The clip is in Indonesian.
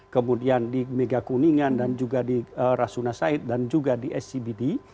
kemudian di megakuningan dan juga di rasuna said dan juga di scbd